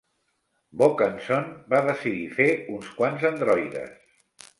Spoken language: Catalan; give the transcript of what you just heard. Vaucanson va decidir fer uns quants androides.